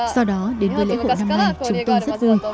do đó đến với lễ hội năm nay chúng tôi rất vui